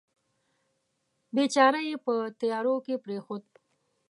بیچاره یې په تیارو کې پرېښود.